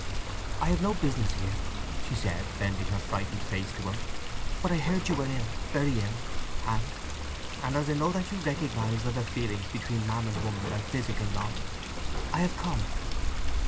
"I have no business here," she said, bending her frightened face to him. "But I heard you were ill—very ill; and—and as I know that you recognize other feelings between man and woman than physical love, I have come."